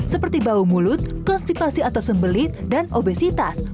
seperti bau mulut kostivasi atau sembelit dan obesitas